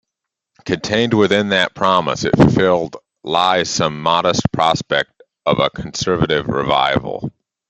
Contained within that promise, if fulfilled, lies some modest prospect of a conservative revival.